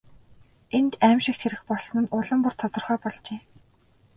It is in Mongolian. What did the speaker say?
Энд аймшигт хэрэг болсон нь улам бүр тодорхой болжээ.